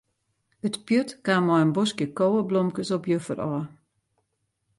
It pjut kaam mei in boskje koweblomkes op juffer ôf.